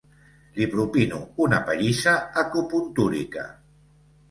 Li propino una pallissa acupuntúrica.